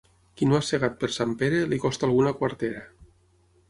Qui no ha segat per Sant Pere, li costa alguna quartera.